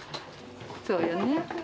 そうよね